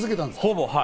ほぼ。